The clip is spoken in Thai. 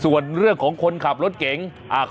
ส่วนเรื่องของคนขับรถเก๋ง